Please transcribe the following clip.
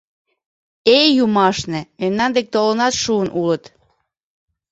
Эй, юмашне, мемнан дек толынат шуын улыт.